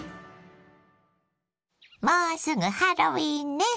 もうすぐハロウィーンね。